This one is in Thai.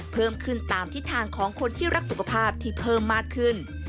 เพิ่มขึ้นตามทิศทางของคนที่รักสุขภาพที่เพิ่มมากขึ้น